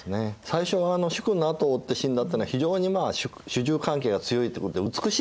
最初は主君のあとを追って死んだってのは非常に主従関係が強いってことで美しいことだってことでね